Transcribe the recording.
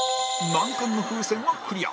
難関の風船はクリア